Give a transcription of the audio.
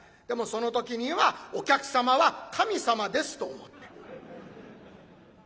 でもその時には「お客様は神様です」と思って。